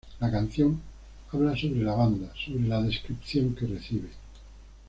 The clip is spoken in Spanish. La canción habla sobre la banda, sobre la descripción que recibe